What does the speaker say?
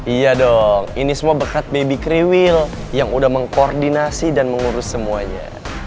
iya dong ini semua bekat baby kriwil yang udah mengkoordinasi dan mengurus semuanya